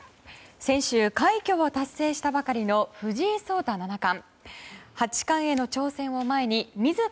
先週、快挙を達成したばかりの藤井聡太七冠。